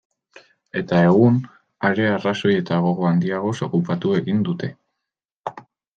Eta egun, are arrazoi eta gogo handiagoz, okupatu egin dute.